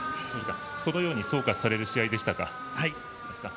そのように総括される試合でしたか。